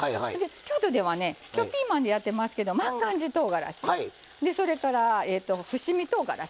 京都ではね今日ピーマンでやってますけど万願寺とうがらしでそれから伏見とうがらし